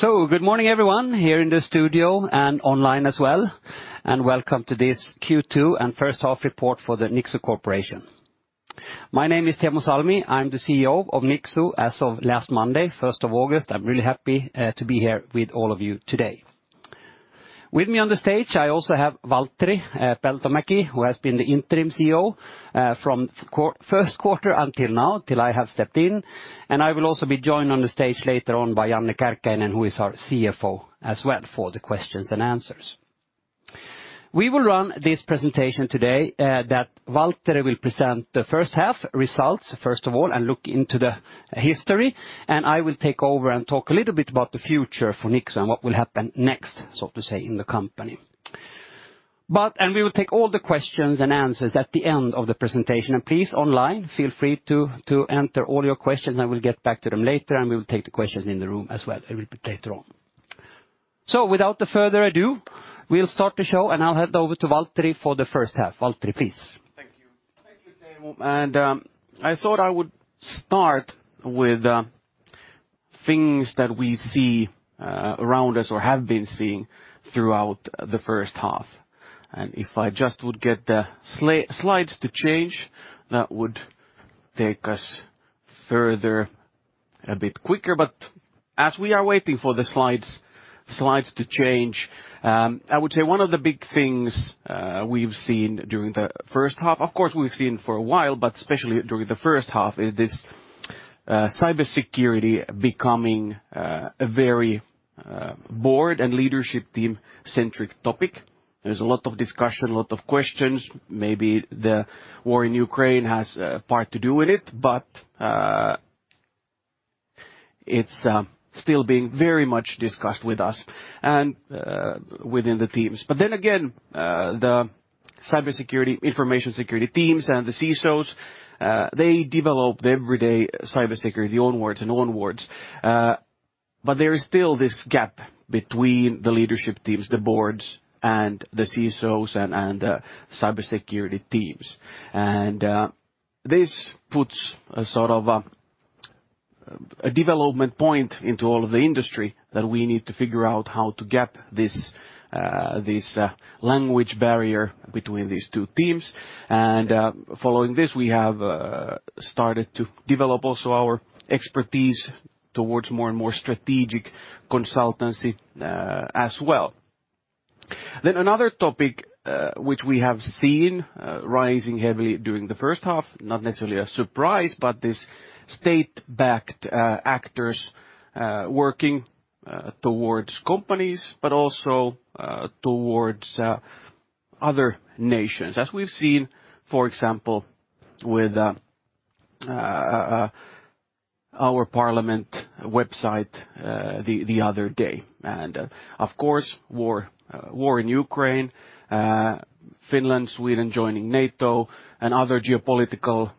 Good morning everyone here in the studio and online as well, and welcome to this Q2 and first half report for the Nixu Corporation. My name is Teemu Salmi. I'm the CEO of Nixu as of last Monday, 1st of August. I'm really happy to be here with all of you today. With me on the stage, I also have Valtteri Peltomäki, who has been the interim CEO from first quarter until now, till I have stepped in. I will also be joined on the stage later on by Janne Kärkkäinen who is our CFO as well for the questions-and-answers. We will run this presentation today that Valtteri will present the first half results, first of all, and look into the history, and I will take over and talk a little bit about the future for Nixu and what will happen next, so to say, in the company. We will take all the questions-and-answers at the end of the presentation. Please online, feel free to enter all your questions, and we'll get back to them later, and we'll take the questions in the room as well. It will be later on. Without further ado, we'll start the show, and I'll hand over to Valtteri for the first half. Valtteri, please. Thank you. Thank you, Teemu. I thought I would start with things that we see around us or have been seeing throughout the first half. If I just would get the slides to change, that would take us further a bit quicker. As we are waiting for the slides to change, I would say one of the big things we've seen during the first half, of course, we've seen for a while but especially during the first half, is this cybersecurity becoming a very board and leadership team centric topic. There's a lot of discussion, a lot of questions. Maybe the war in Ukraine has a part to do with it but it's still being very much discussed with us and within the teams. Again, the cybersecurity, information security teams and the CSOs, they develop the everyday cybersecurity onwards and onwards. There is still this gap between the leadership teams, the boards and the CSOs and the cybersecurity teams. This puts a sort of a development point into all of the industry that we need to figure out how to gap this language barrier between these two teams. Following this, we have started to develop also our expertise towards more and more strategic consultancy, as well. Another topic, which we have seen rising heavily during the first half, not necessarily a surprise but this state-backed actors working towards companies, but also towards other nations, as we've seen, for example, with our parliament website the other day. Of course, war in Ukraine, Finland, Sweden joining NATO and other geopolitical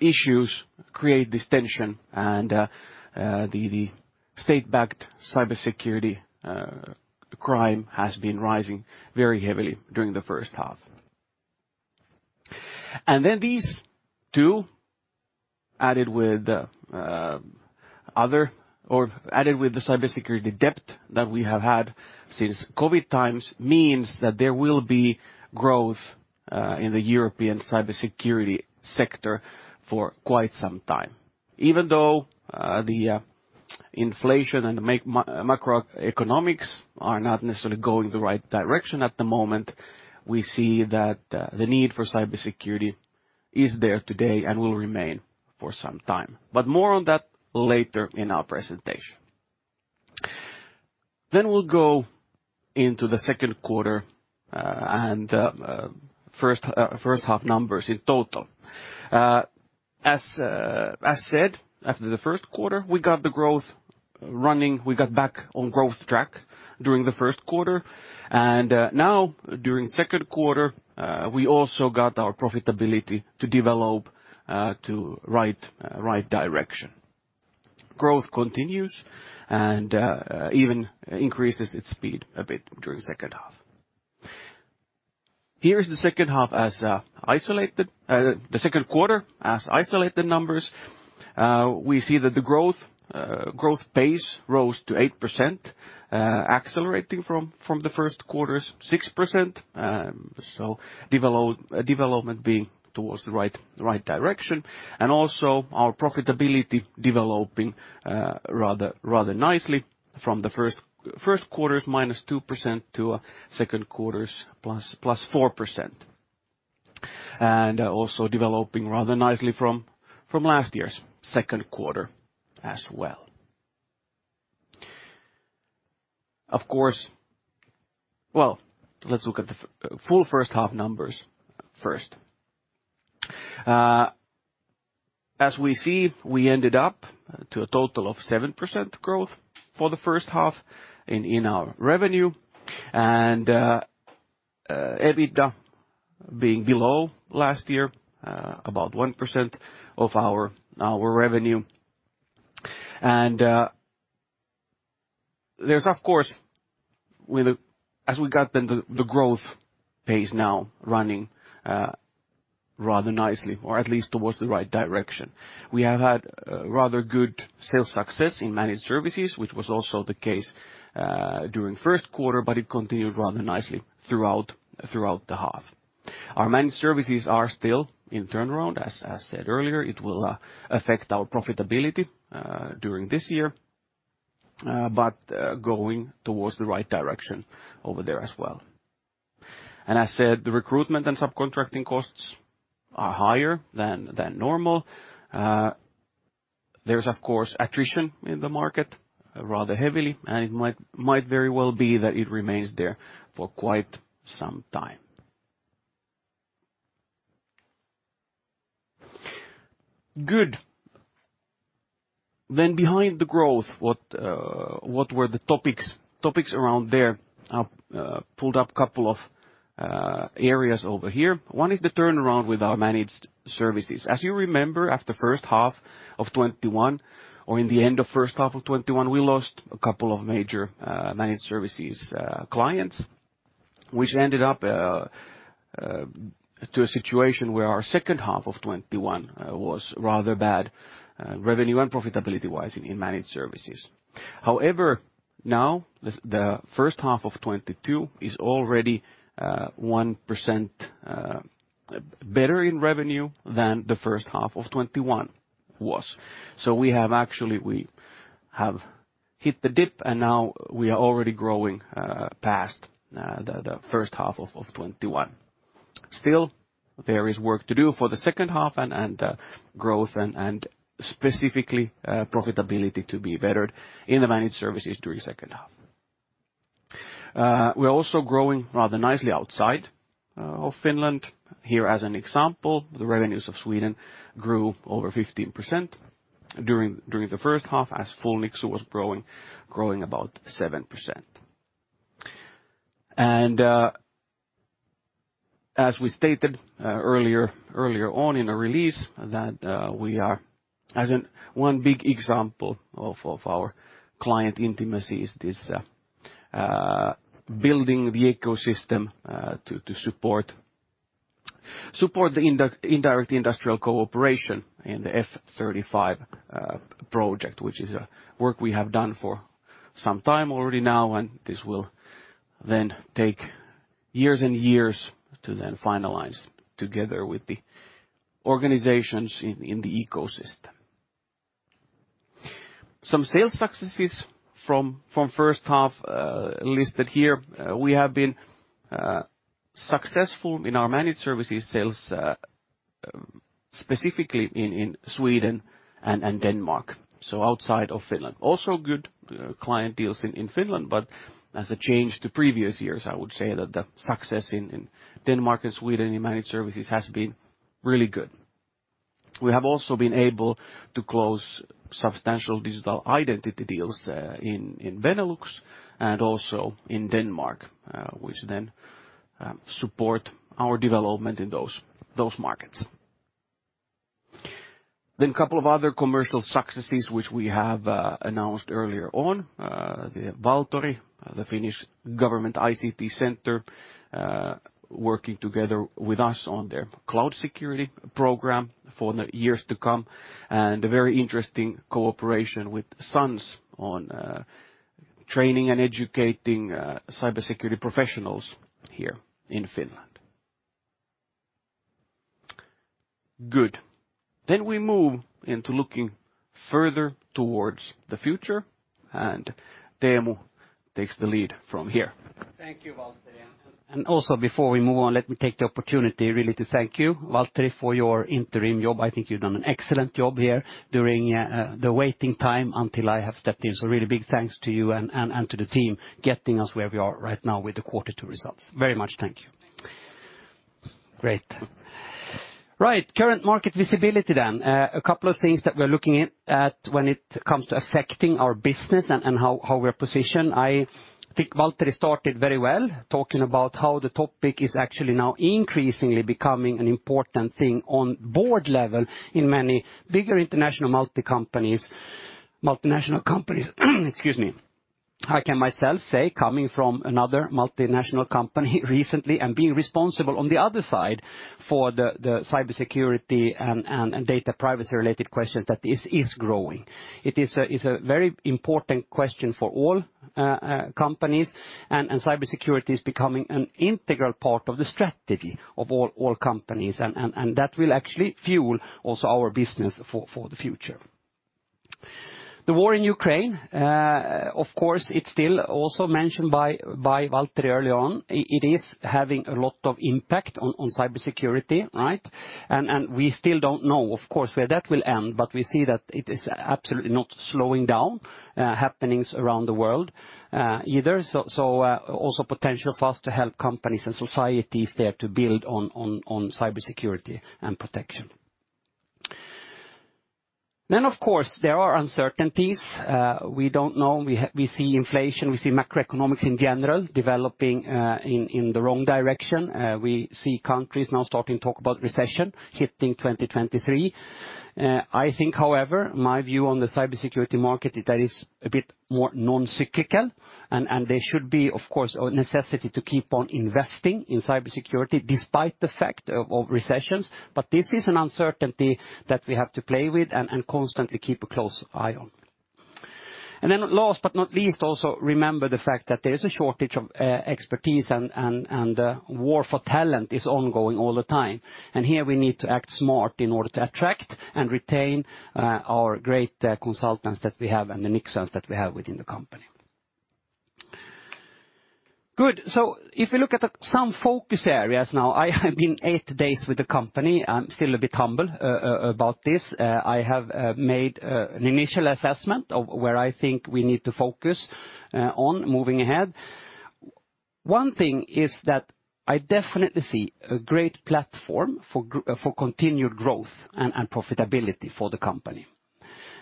issues create this tension and the state-backed cybersecurity crime has been rising very heavily during the first half. These two added with the cybersecurity debt that we have had since COVID times means that there will be growth in the European cybersecurity sector for quite some time. Even though the inflation and the macroeconomics are not necessarily going the right direction at the moment, we see that the need for cybersecurity is there today and will remain for some time. More on that later in our presentation. We'll go into the second quarter and first half numbers in total. As said, after the first quarter we got the growth running. We got back on growth track during the first quarter. Now during second quarter we also got our profitability to develop to right direction. Growth continues and even increases its speed a bit during second half. Here is the second half as isolated, the second quarter as isolated numbers. We see that the growth pace rose to 8%, accelerating from the first quarter's 6%. Development being towards the right direction. Also our profitability developing rather nicely from the first quarter's -2% to second quarter's +4%. Also developing rather nicely from last year's second quarter as well. Of course. Well, let's look at the full first half numbers first. As we see, we ended up to a total of 7% growth for the first half in our revenue, and EBITDA being below last year, about 1% of our revenue. There's of course, as we got then the growth pace now running rather nicely or at least towards the right direction. We have had rather good sales success in managed services, which was also the case during first quarter, but it continued rather nicely throughout the half. Our managed services are still in turnaround as I said earlier, it will affect our profitability during this year, but going towards the right direction over there as well. As I said, the recruitment and subcontracting costs are higher than normal. There's of course attrition in the market rather heavily, and it might very well be that it remains there for quite some time. Good. Behind the growth, what were the topics around there? I've pulled up couple of areas over here. One is the turnaround with our managed services. As you remember, after first half of 2021 or in the end of first half of 2021, we lost a couple of major managed services clients which ended up in a situation where our second half of 2021 was rather bad revenue and profitability-wise in managed services. However, now the first half of 2022 is already 1% better in revenue than the first half of 2021 was. We have actually hit the dip, and now we are already growing past the first half of 2021. There is work to do for the second half and growth and specifically profitability to be bettered in the managed services during second half. We're also growing rather nicely outside of Finland. Here as an example, the revenues of Sweden grew over 15% during the first half as Finland was growing about 7%. As we stated earlier on in our release that we are as in one big example of our client intimacy is this building the ecosystem to support the indirect industrial cooperation in the F-35 project which is a work we have done for some time already now. This will then take years and years to then finalize together with the organizations in the ecosystem. Some sales successes from first half listed here. We have been successful in our managed services sales specifically in Sweden and Denmark, so outside of Finland. Good client deals in Finland, but as a change to previous years, I would say that the success in Denmark and Sweden in managed services has been really good. We have also been able to close substantial digital identity deals in Benelux and also in Denmark, which then support our development in those markets. Couple of other commercial successes which we have announced earlier on. The Valtori, the Finnish Government ICT Centre, working together with us on their cloud security program for the years to come. A very interesting cooperation with SANS on training and educating cybersecurity professionals here in Finland. Good. We move into looking further towards the future and Teemu takes the lead from here. Thank you, Valtteri. Also before we move on, let me take the opportunity really to thank you, Valtteri, for your interim job. I think you've done an excellent job here during the waiting time until I have stepped in. Really big thanks to you and to the team getting us where we are right now with the quarter two results. Very much thank you. Great. Right. Current market visibility then. A couple of things that we're looking at when it comes to affecting our business and how we're positioned. I think Valtteri started very well talking about how the topic is actually now increasingly becoming an important thing on board level in many bigger international multi companies, multinational companies. Excuse me. I can myself say, coming from another multinational company recently and being responsible on the other side for the cybersecurity and data privacy related questions that this is growing. It's a very important question for all companies. Cybersecurity is becoming an integral part of the strategy of all companies. That will actually fuel also our business for the future. The war in Ukraine, of course it's still also mentioned by Valtteri early on. It is having a lot of impact on cybersecurity, right? We still don't know, of course, where that will end, but we see that it is absolutely not slowing down happenings around the world, either. Also, potential for us to help companies and societies there to build on cybersecurity and protection. Of course, there are uncertainties. We don't know. We see inflation, we see macroeconomics in general developing in the wrong direction. We see countries now starting to talk about recession hitting 2023. I think however, my view on the cybersecurity market is that it is a bit more non-cyclical and there should be, of course, a necessity to keep on investing in cybersecurity despite the fact of recessions. This is an uncertainty that we have to play with and constantly keep a close eye on. Last but not least, also remember the fact that there is a shortage of expertise and war for talent is ongoing all the time. Here we need to act smart in order to attract and retain our great consultants that we have and the Nixuans that we have within the company. Good. If you look at some focus areas now, I have been 8 days with the company. I'm still a bit humble about this. I have made an initial assessment of where I think we need to focus on moving ahead. One thing is that I definitely see a great platform for continued growth and profitability for the company.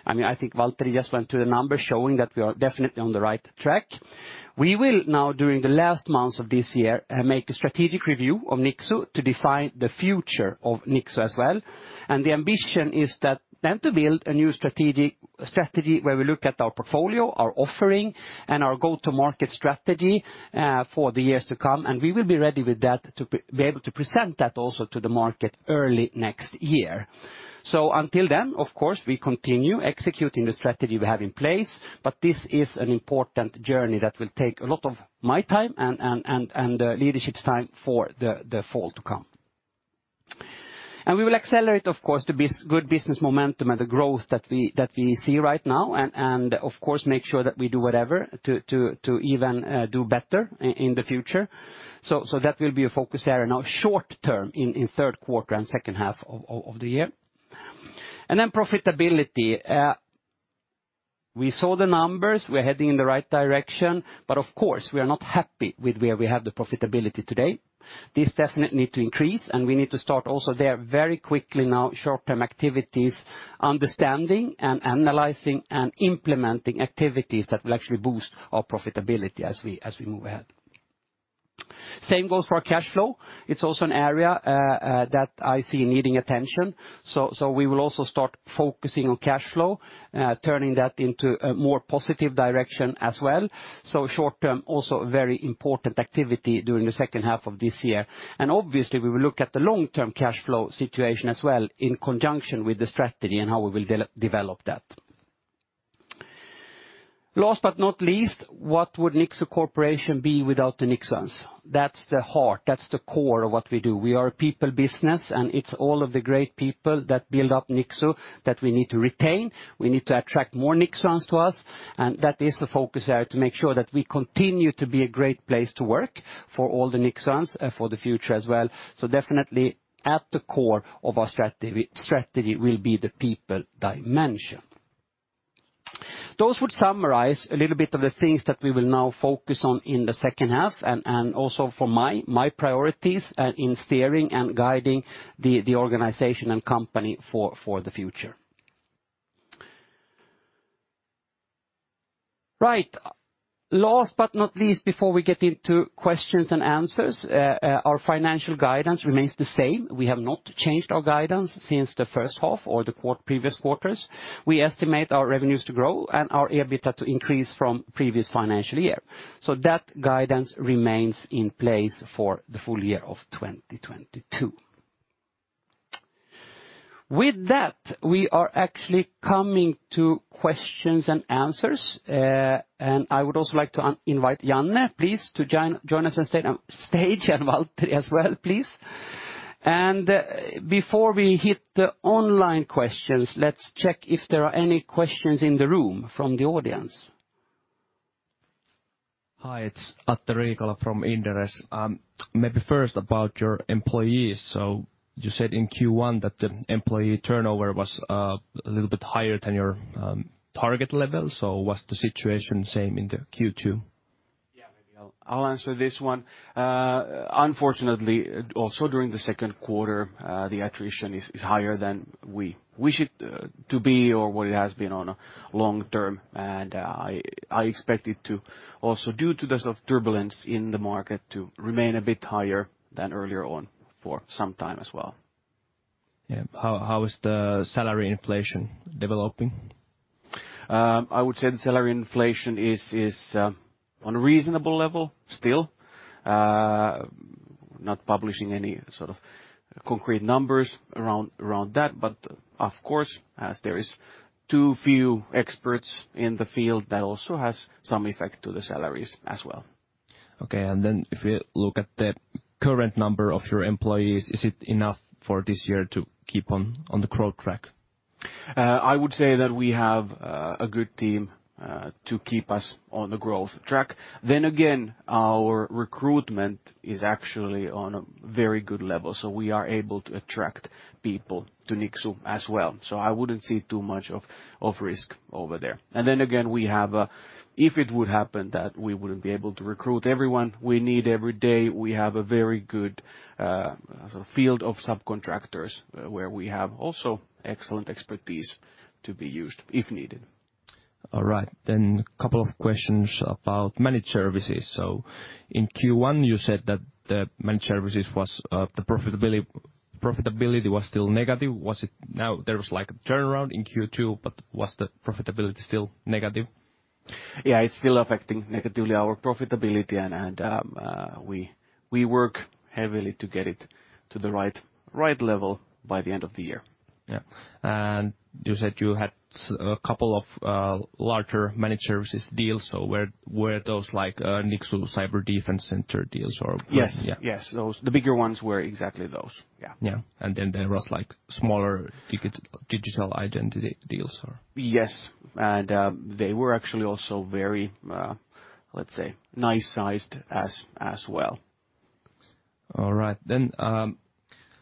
I mean, I think Valtteri just went through the numbers showing that we are definitely on the right track. We will now during the last months of this year make a strategic review of Nixu to define the future of Nixu as well. The ambition is that then to build a new strategy where we look at our portfolio, our offering, and our go-to-market strategy, for the years to come, and we will be ready with that to be able to present that also to the market early next year. Until then, of course, we continue executing the strategy we have in place. This is an important journey that will take a lot of my time and leadership's time for the fall to come. We will accelerate, of course, the business momentum and the growth that we see right now, and of course, make sure that we do whatever to even do better in the future. That will be a focus area now short-term in third quarter and second half of the year. Profitability. We saw the numbers, we're heading in the right direction, but of course, we are not happy with where we have the profitability today. This definitely need to increase, and we need to start also there very quickly now short-term activities, understanding and analyzing and implementing activities that will actually boost our profitability as we move ahead. Same goes for our cash flow. It's also an area that I see needing attention. We will also start focusing on cash flow, turning that into a more positive direction as well. Short-term, also a very important activity during the second half of this year. Obviously, we will look at the long-term cash flow situation as well in conjunction with the strategy and how we will develop that. Last but not least, what would Nixu Corporation be without the Nixuans? That's the heart, that's the core of what we do. We are a people business and it's all of the great people that build up Nixu that we need to retain. We need to attract more Nixuans to us, and that is the focus there to make sure that we continue to be a great place to work for all the Nixuans for the future as well. Definitely at the core of our strategy will be the people dimension. Those would summarize a little bit of the things that we will now focus on in the second half and also for my priorities in steering and guiding the organization and company for the future. Right. Last but not least, before we get into questions-and-answers, our financial guidance remains the same. We have not changed our guidance since the first half or previous quarters. We estimate our revenues to grow and our EBITDA to increase from previous financial year. That guidance remains in place for the full year of 2022. With that, we are actually coming to questions-and-answers. I would also like to invite Janne, please, to join us on stage, and Valtteri as well, please. Before we hit the online questions, let's check if there are any questions in the room from the audience. Hi, it's Atte Riikola from Inderes. Maybe first about your employees. You said in Q1 that the employee turnover was a little bit higher than your target level. Was the situation same in the Q2? Yeah. I'll answer this one. Unfortunately, also during the second quarter, the attrition is higher than we wish it to be or what it has been in the long term. I expect it to, also due to the sort of turbulence in the market, to remain a bit higher than earlier on for some time as well. Yeah. How is the salary inflation developing? I would say the salary inflation is on a reasonable level still. Not publishing any sort of concrete numbers around that, but of course, as there is too few experts in the field, that also has some effect to the salaries as well. Okay. If you look at the current number of your employees, is it enough for this year to keep on the growth track? I would say that we have a good team to keep us on the growth track. Then again, our recruitment is actually on a very good level, so we are able to attract people to Nixu as well. I wouldn't see too much of risk over there. We have a, if it would happen that we wouldn't be able to recruit everyone we need every day, we have a very good sort of field of subcontractors where we have also excellent expertise to be used if needed. All right. A couple of questions about managed services. In Q1, you said that the managed services was the profitability was still negative. Now there was, like, a turnaround in Q2, but was the profitability still negative? Yeah. It's still affecting negatively our profitability and we work heavily to get it to the right level by the end of the year. Yeah. You said you had a couple of larger managed services deals. Where were those like Nixu Cyber Defense Center deals or? Yes. Yeah. Yes. Those. The bigger ones were exactly those. Yeah. Yeah. There was like, smaller digital identity deals or? Yes. They were actually also very, let's say, nice sized as well. All right.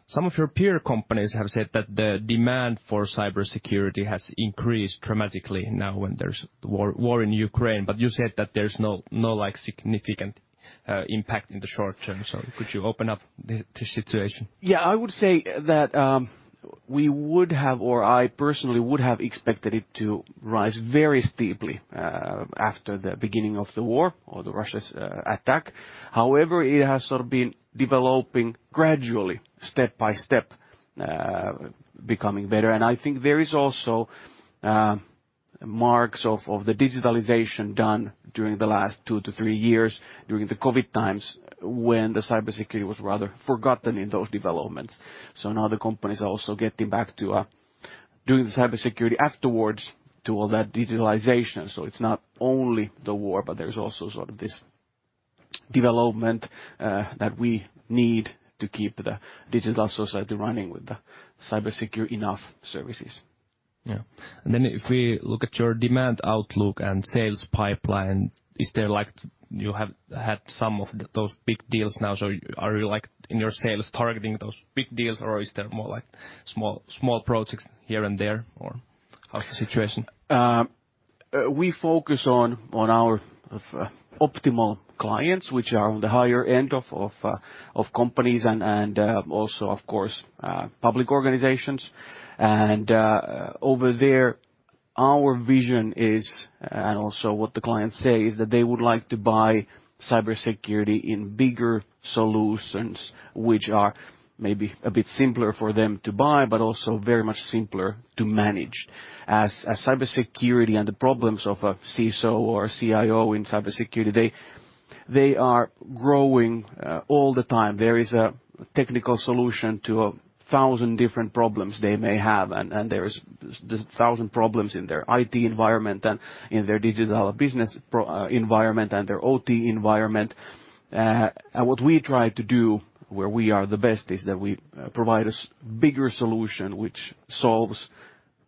Some of your peer companies have said that the demand for cybersecurity has increased dramatically now when there's war in Ukraine, but you said that there's no like, significant impact in the short term. Could you open up this situation? Yeah. I would say that, we would have, or I personally would have expected it to rise very steeply, after the beginning of the war or the Russia's attack. However, it has sort of been developing gradually step by step, becoming better. I think there is also marks of the digitalization done during the last 2 to 3 years during the COVID times when the cybersecurity was rather forgotten in those developments. Now the companies are also getting back to doing the cybersecurity afterwards to all that digitalization. It's not only the war but there's also sort of this development that we need to keep the digital society running with the cybersecure enough services. Yeah. If we look at your demand outlook and sales pipeline, is there like, you have had some of those big deals now, so are you, like, in your sales targeting those big deals or is there more like small projects here and there or how's the situation? We focus on our optimal clients which are on the higher end of companies and also of course public organizations. Over there, our vision is, and also what the clients say, is that they would like to buy cybersecurity in bigger solutions which are maybe a bit simpler for them to buy, but also very much simpler to manage. As cybersecurity and the problems of a CISO or CIO in cybersecurity, they are growing all the time. There is a technical solution to a thousand different problems they may have and there's just thousand problems in their IT environment and in their digital business environment and their OT environment. What we try to do, where we are the best, is that we provide a bigger solution which solves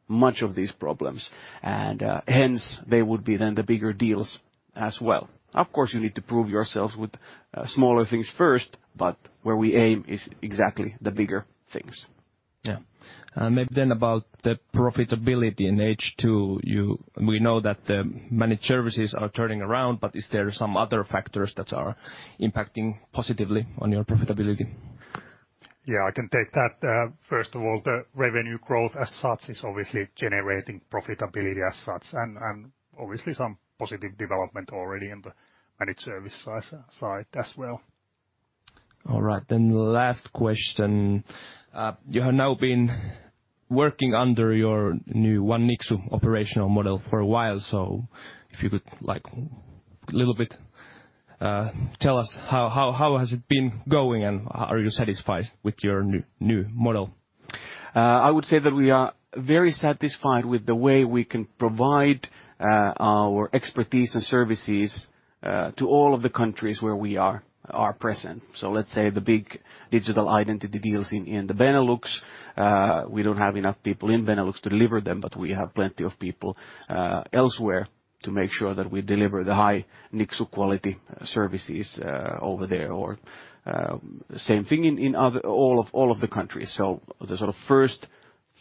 much of these problems and hence, they would be then the bigger deals as well. Of course, you need to prove yourselves with smaller things first but where we aim is exactly the bigger things. Yeah. Maybe then about the profitability in H2, we know that the managed services are turning around, but is there some other factors that are impacting positively on your profitability? Yeah, I can take that. First of all, the revenue growth as such is obviously generating profitability as such, and obviously some positive development already in the managed service side as well. All right. The last question. You have now been working under your new One Nixu operational model for a while, so if you could, like, a little bit, tell us how has it been going and are you satisfied with your new model? I would say that we are very satisfied with the way we can provide our expertise and services to all of the countries where we are present. Let's say the big digital identity deals in the Benelux. We don't have enough people in Benelux to deliver them, but we have plenty of people elsewhere to make sure that we deliver the high Nixu quality services over there or same thing in all of the other countries. The sort of first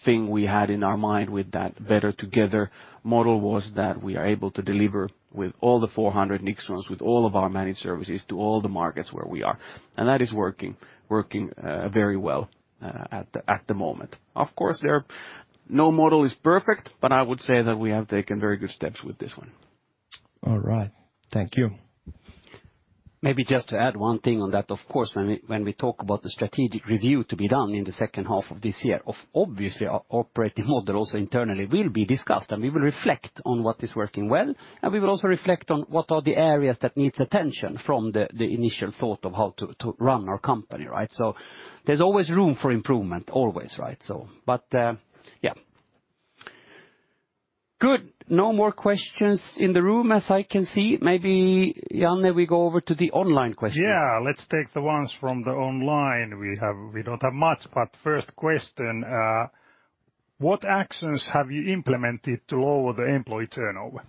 thing we had in our mind with that better together model was that we are able to deliver with all the 400 Nixuans, with all of our managed services to all the markets where we are. That is working very well at the moment. Of course, no model is perfect, but I would say that we have taken very good steps with this one. All right. Thank you. Maybe just to add one thing on that. Of course, when we talk about the strategic review to be done in the second half of this year of obviously our operating model also internally will be discussed, and we will reflect on what is working well, and we will also reflect on what are the areas that needs attention from the initial thought of how to run our company, right? There's always room for improvement always, right? Yeah. Good. No more questions in the room as I can see. Maybe, Janne, we go over to the online questions. Yeah. Let's take the ones from the online. We don't have much, but first question, what actions have you implemented to lower the employee turnover?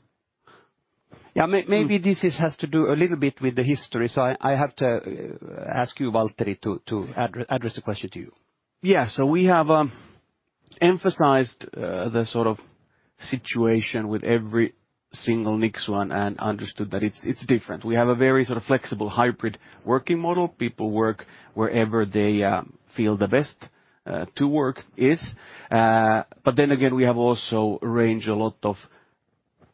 Yeah, maybe this has to do a little bit with the history. I have to ask you, Valtteri, to address the question to you. Yeah. We have emphasized the sort of situation with every single Nixu and understood that it's different. We have a very sort of flexible hybrid working model. People work wherever they feel the best to work is. We have also arranged a lot of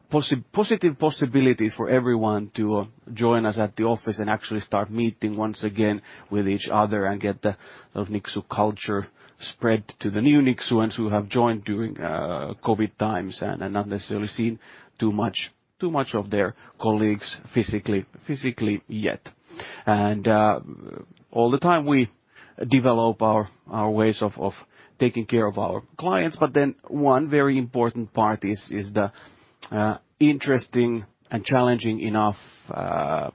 positive possibilities for everyone to join us at the office and actually start meeting once again with each other and get the Nixu culture spread to the new Nixu ones who have joined during COVID times and not necessarily seen too much of their colleagues physically yet. All the time we develop our ways of taking care of our clients. One very important part is the interesting and challenging enough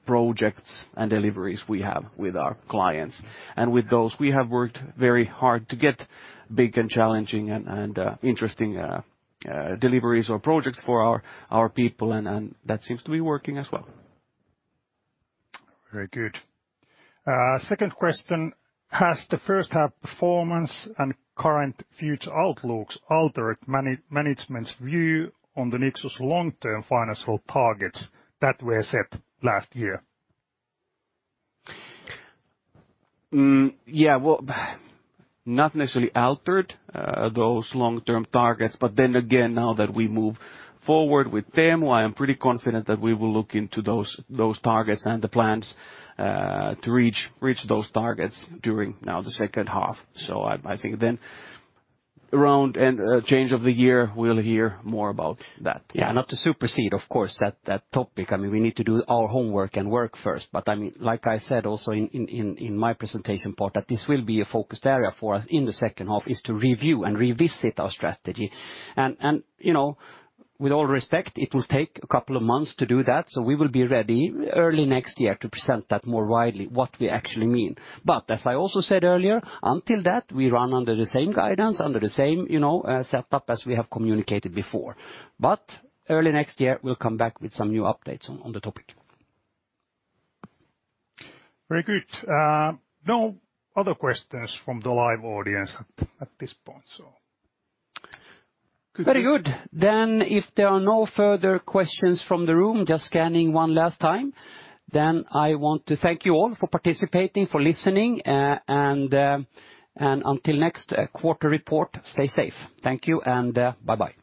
projects and deliveries we have with our clients. With those, we have worked very hard to get big and challenging and interesting deliveries or projects for our people, and that seems to be working as well. Very good. Second question: Has the first half performance and current and future outlooks altered management's view on the Nixu's long-term financial targets that were set last year? Yeah. Well, not necessarily altered those long-term targets, but then again, now that we move forward with them, well, I am pretty confident that we will look into those targets and the plans to reach those targets during now the second half. I think then around the change of the year, we'll hear more about that. Yeah, not to supersede, of course, that topic. I mean, we need to do our homework and work first. I mean, like I said also in my presentation part that this will be a focused area for us in the second half, is to review and revisit our strategy. You know, with all respect, it will take a couple of months to do that, so we will be ready early next year to present that more widely, what we actually mean. As I also said earlier, until that, we run under the same guidance, under the same, you know, setup as we have communicated before. Early next year, we'll come back with some new updates on the topic. Very good. No other questions from the live audience at this point, so. Very good. If there are no further questions from the room, just scanning one last time, I want to thank you all for participating, for listening, and until next quarter report, stay safe. Thank you, and bye-bye.